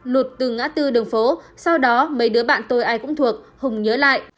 lụt từ ngã tư đường phố sau đó mấy đứa bạn tôi ai cũng thuộc hùng nhớ lại